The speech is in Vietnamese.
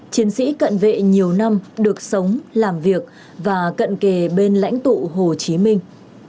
chiến sĩ cận vệ nhiều năm được sống làm việc và cận kề bên lãnh tụ hồ chí minh